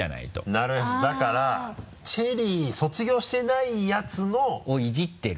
なるへそだからチェリー卒業してないやつの。をイジってる。